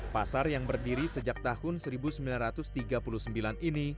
pasar yang berdiri sejak tahun seribu sembilan ratus tiga puluh sembilan ini